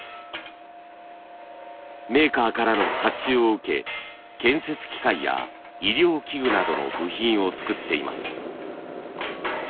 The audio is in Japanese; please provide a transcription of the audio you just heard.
メーカーからの発注を受け建設機械や医療器具などの部品を作っています。